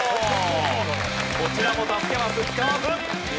こちらも助けマス使わず。